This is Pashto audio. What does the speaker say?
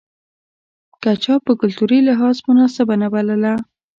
که چا په کلتوري لحاظ مناسبه نه بلله.